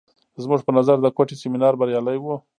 زموږ په نظر د کوټې سیمینار بریالی و.